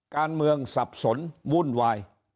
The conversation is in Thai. การเมืองสับสนวุ่นวาย